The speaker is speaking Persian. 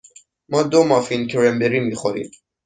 ما دو مافین کرنبری می خوریم.